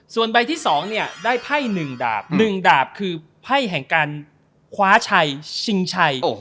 ส่วนใบที่๒เนี่ยได้ไพ่๑ดาบ๑ดาบคือไพ่แห่งการคว้าชัยชิงชัย